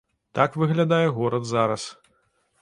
Так выглядае горад зараз.